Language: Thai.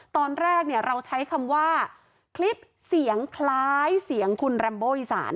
ตอนแรกเราใช้คำว่าคลิปเสียงคล้ายเสียงคุณแรมโบอีสาน